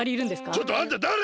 ちょっとあんただれよ！